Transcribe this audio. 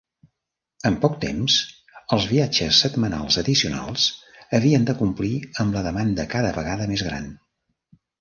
En poc temps, els viatges setmanals addicionals havien de complir amb la demanda cada vegada més gran.